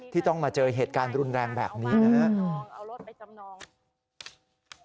ที่ต้องมาเจอเหตุการณ์รุนแรงแบบนี้นะฮะเอารถไปจำนอง